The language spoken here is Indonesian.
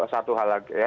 satu hal lagi ya